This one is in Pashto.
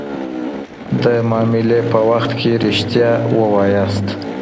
د معاملې په وخت کي رښتيا ووايئ.